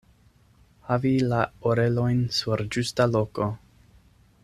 Havi la orelojn sur ĝusta loko.